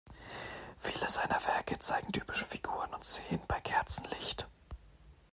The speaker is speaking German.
Viele seiner Werke zeigen typisch Figuren und Szenen bei Kerzenlicht.